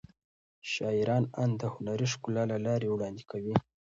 شاعران اند د هنري ښکلا له لارې وړاندې کوي.